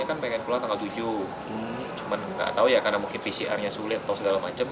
tapi tidak tahu karena mungkin pcr sulit atau segala macam